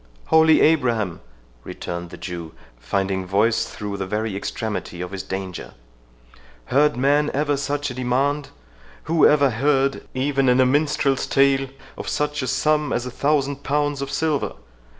"Holy Abraham!" returned the Jew, finding voice through the very extremity of his danger, "heard man ever such a demand?—Who ever heard, even in a minstrel's tale, of such a sum as a thousand pounds of silver?